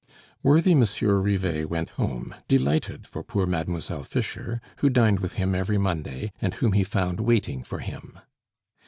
Worthy Monsieur Rivet went home, delighted for poor Mademoiselle Fischer, who dined with him every Monday, and whom he found waiting for him.